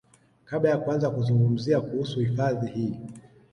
Kabla ya kuanza kuzungumzia kuhusu hifadhi hii